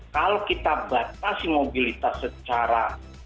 kalau kita batasi mobilitas secara